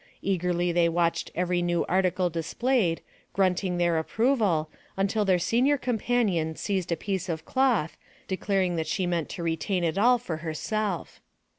Eagerly they watched every new article displayed, grunting their approval, until their senior companion seized a piece of cloth, declaring that she meant to retain it all for herself.